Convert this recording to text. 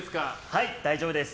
はい、大丈夫です。